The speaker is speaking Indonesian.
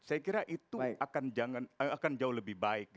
saya kira itu akan jauh lebih baik